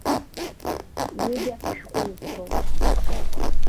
Ҩыџьа шәҟәыҩҩцәоуп.